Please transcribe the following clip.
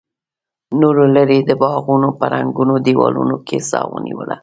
نورو لرې د باغونو په ړنګو دیوالونو کې سا ونیوله.